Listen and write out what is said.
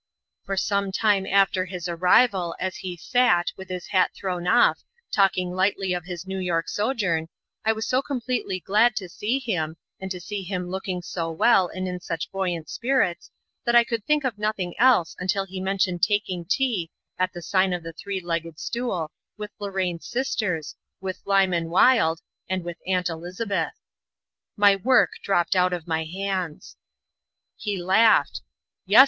For some time after his arrival, as he sat, with his hat thrown off, talking lightly of his New York sojourn, I was so completely glad to see him, and to see him looking so well and in such buoyant spirits, that I could think of nothing else until he mentioned taking tea "At the Sign of the Three legged Stool" with Lorraine's sisters, with Lyman Wilde and with Aunt Elizabeth. My work dropped out of my hands. He laughed. "Yes.